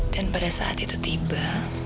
dan pada saat itu tiba